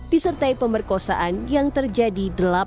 disertai pemerkosaan yang sedang berlaku